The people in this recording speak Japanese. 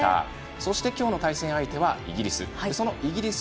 そして今日の対戦相手はイギリス。